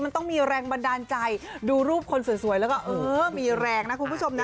มันต้องมีแรงบันดาลใจดูรูปคนสวยแล้วก็เออมีแรงนะคุณผู้ชมนะ